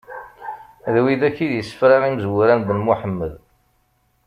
D widak i d isefra imezwura n Ben Muḥemmed.